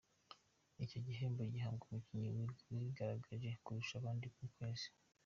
Icyo gihembo gihabwa umukinnyi wigaragaje kurusha abandi mu kwezi.